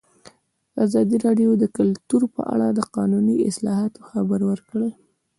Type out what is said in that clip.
ازادي راډیو د کلتور په اړه د قانوني اصلاحاتو خبر ورکړی.